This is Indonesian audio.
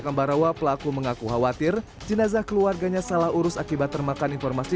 kembarawa pelaku mengaku khawatir jenazah keluarganya salah urus akibat termakan informasi